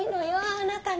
あなたに。